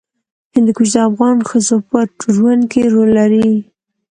هندوکش د افغان ښځو په ژوند کې رول لري.